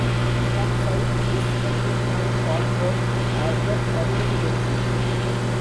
Some cite this running time shortcut as the primary benefit.